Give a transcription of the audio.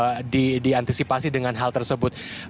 jadi kita harus berantisipasi dengan hal tersebut